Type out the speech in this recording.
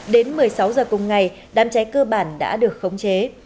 đến một mươi sáu giờ cùng ngày đám cháy cơ bản đã được khống chế